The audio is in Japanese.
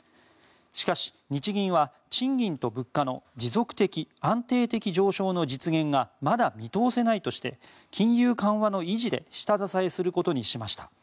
しかし日銀は賃金と物価の持続的・安定的上昇の実現がまだ見通せないとして金融緩和の維持で下支えすることにしました。